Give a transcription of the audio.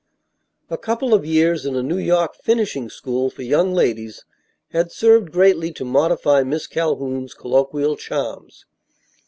A couple of years in a New York "finishing school" for young ladies had served greatly to modify Miss Calhoun's colloquial charms.